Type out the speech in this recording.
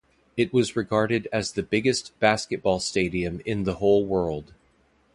It was regarded as the biggest basketball stadium in the whole world.